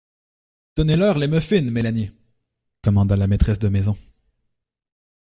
«Donnez-leur les muffins, Mélanie,» commanda la maîtresse de maison.